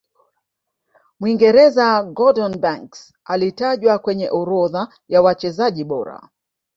mwingereza gordon Banks alitajwa kwenye orodha ya wachezaji bora